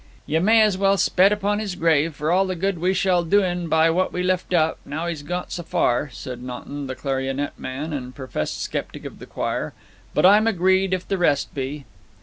'Ye may as well spet upon his grave, for all the good we shall do en by what we lift up, now he's got so far,' said Notton, the clarionet man and professed sceptic of the choir. 'But I'm agreed if the rest be.'